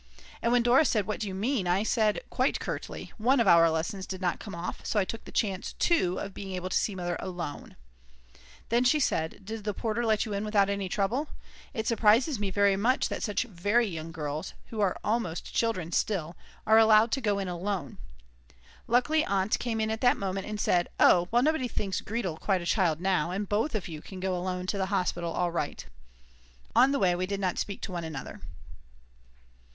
And when Dora said: What do you mean? I said quite curtly: "One of our lessons did not come off, and so I took the chance too of being able to see Mother alone." Then she said: Did the porter let you in without any trouble? It surprises me very much that such very young girls, who are almost children still, are allowed to go in alone. Luckily Aunt came in at that moment and said: "Oh well, nobody thinks Gretl quite a child now, and both of you can go alone to the hospital all right." On the way we did not speak to one another.